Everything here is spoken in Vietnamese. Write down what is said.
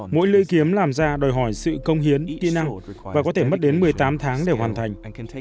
mỗi lưỡi kiếm làm ra đòi hỏi sự công hiến kỹ năng và có thể mất đến một mươi tám tháng để hoàn thành